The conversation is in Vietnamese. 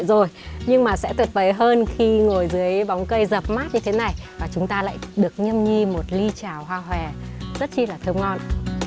rồi nhưng mà sẽ tuyệt vời hơn khi ngồi dưới bóng cây dập mát như thế này và chúng ta lại được nhâm nhi một ly trà hoa hòe rất chi là thơm ngon